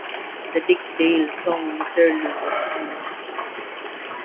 The Dick Dale song "Miserlou" was on it.